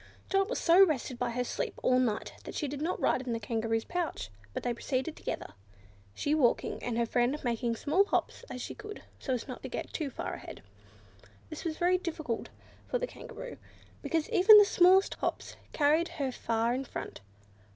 Dot was so rested by her sleep all night that she did not ride in the Kangaroo's pouch; but they proceeded together, she walking, and her friend making as small hops as she could, so as not to get too far ahead. This was very difficult for the Kangaroo, because even the smallest hops carried her far in front.